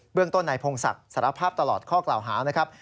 เรื่องต้นนายพงศักดิ์สารภาพตลอดข้อกล่าวหานะครับ